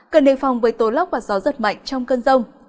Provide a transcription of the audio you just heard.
cần đề phòng với tố lốc và gió giật mạnh trong cơn rông